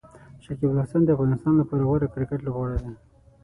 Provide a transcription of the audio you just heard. شکيب الحسن د افغانستان لپاره د غوره کرکټ لوبغاړی دی.